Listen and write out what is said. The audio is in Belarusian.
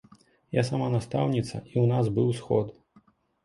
Я сама настаўніца, і ў нас быў сход.